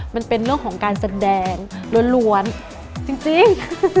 มันเป็นเรื่องของการแสดงล้วนจริง